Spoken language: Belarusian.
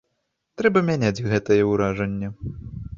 Трэба мяняць гэтае ўражанне.